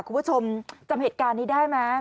คุณผู้ชมจำเหตุการณ์นี้ได้ไหม